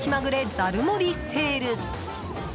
ザル盛りセール。